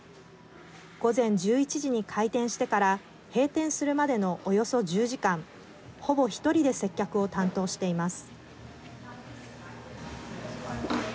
午前１１時に開店してから閉店するまでのおよそ１０時間ほぼ１人で接客を担当しています。